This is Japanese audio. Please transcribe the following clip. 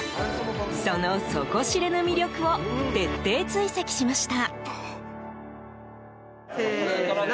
その底知れぬ魅力を徹底追跡しました。